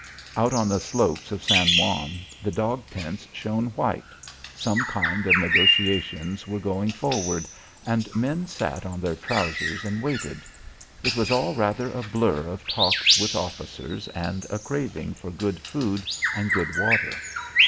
Out on the slopes of San Juan the dog tents shone white. Some kind of negotiations were going forward, and men sat on their trousers and waited. It was all rather a blur of talks with officers, and a craving for good food and good water.